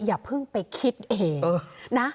อย่าเพิ่งไปคิดเองนะ